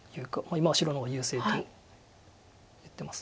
今は白の方が優勢と言ってます。